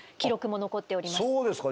そうですか。